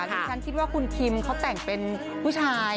ดิฉันคิดว่าคุณคิมเขาแต่งเป็นผู้ชาย